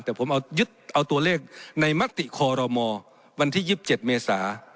แต่ผมเอาตัวเลขในมัตติคอลโลมอร์วันที่๒๗เมษา